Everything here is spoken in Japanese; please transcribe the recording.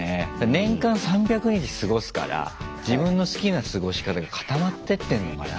年間３００日過ごすから自分の好きな過ごし方が固まってってんのかな。